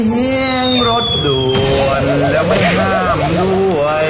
เลี้ยงรถด่วนแล้วไม่ห้ามด้วย